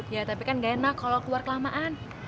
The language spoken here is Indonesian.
ya tapi kan gak enak kalau keluar kelamaan